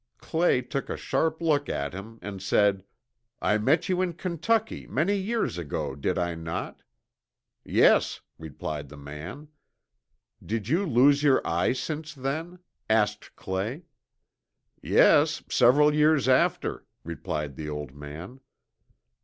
Clay took a sharp look at him and said: "I met you in Kentucky many years ago, did I not?" "Yes," replied the man. "Did you lose your eye since then?" asked Clay. "Yes, several years after," replied the old man.